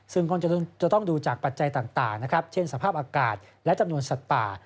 ซึ่งคงจะต้องดูจากปัจจัยต่างนะครับเช่นสภาพอากาศและจำนวนสัตว์ป่า